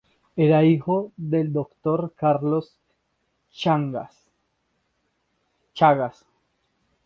Era hijo del Dr. Carlos Chagas.